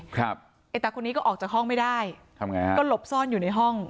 แต่คนนี้ก็ออกจากห้องไม่ได้ก็หลบซ่อนอยู่ในห้อง